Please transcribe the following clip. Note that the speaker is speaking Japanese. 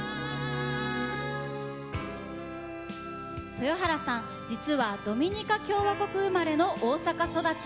豊原さん、実はドミニカ共和国生まれの大阪育ち。